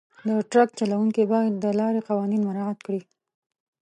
د ټرک چلونکي باید د لارې قوانین مراعات کړي.